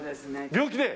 病気で？